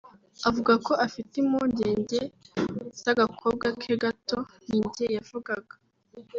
avuga ko afite impungenge z’agakobwa ke gato; ‘Ni njye yavugaga